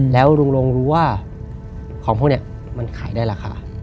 แล้วลุงลงรู้ว่าของพวกนี้มันขายได้ราคา